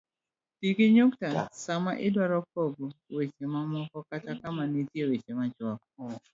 Ti gi nyukta sama idwaro pogogi weche mamoko kata kama nitie weche machuok